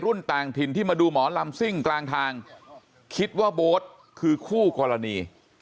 ต่างถิ่นที่มาดูหมอลำซิ่งกลางทางคิดว่าโบ๊ทคือคู่กรณี